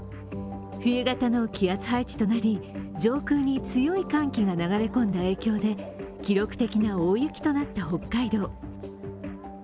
冬型の気圧配置となり上空に強い寒気が流れ込んだ影響で記録的な大雪となった北海道。